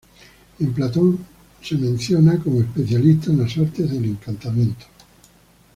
En Platón es mencionado como especialista en las artes del encantamiento.